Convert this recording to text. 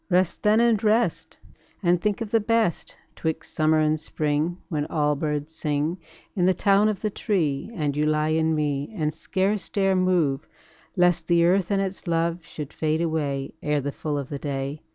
Rest then and rest, And think of the best 'Twixt summer and spring, When all birds sing In the town of the tree, And ye lie in me And scarce dare move, Lest the earth and its love Should fade away Ere the full of the day.